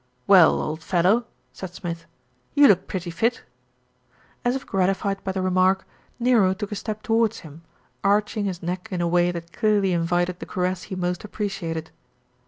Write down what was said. "Well, old fellow," said Smith. "You look pretty fit." As if gratified by the remark, Nero took a step towards him, arching his neck in a way that clearly invited the caress he most appreciated.